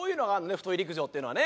太い陸上っていうのはね。